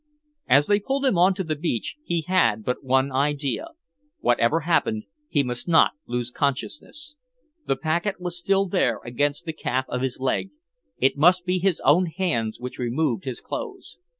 As they pulled him on to the beach, he had but one idea. Whatever happened, he must not lose consciousness. The packet was still there against the calf of his leg. It must be his own hands which removed his clothes.